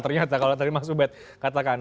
ternyata kalau tadi mas ubed katakan